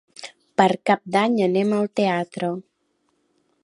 Per Cap d'Any anem al teatre.